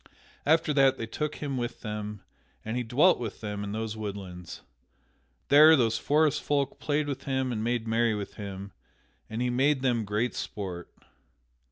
After that they took him with them, and he dwelt with them in those woodlands. There these forest folk played with him and made merry with him, and he made them great sport.